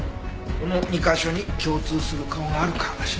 この２カ所に共通する顔があるか調べるんだよ。